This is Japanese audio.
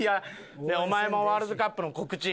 お前もワールドカップの告知。